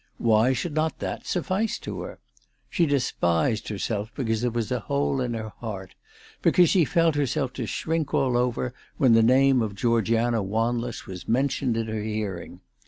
Why should not that suffice to her ? She despised herself because there was a hole in her heart, because she felt herself to shrink all over when the name of Greorgiana Wanless was mentioned in her hearing.